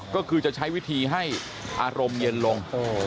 ก็คือจะใช้วิธีให้อารมณ์เย็นลง